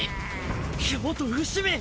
京都伏見！！